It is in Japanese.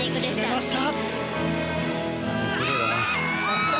決めました！